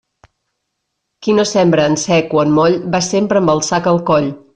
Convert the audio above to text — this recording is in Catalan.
Qui no sembra en sec o en moll, va sempre amb el sac al coll.